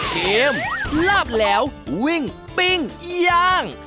เกมลาบแล้ววิ่งปิ้งย่าง